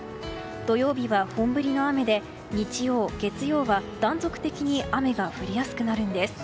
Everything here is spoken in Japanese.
土曜日は本降りの雨で日曜、月曜は断続的に雨が降りやすくなるんです。